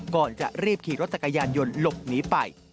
ก่อนจะรีบขี่รถจักรยานยนต์หลบหนีไป